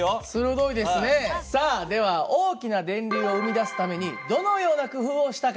さあでは大きな電流を生み出すためにどのような工夫をしたか？